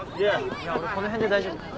いや俺この辺で大丈夫だから。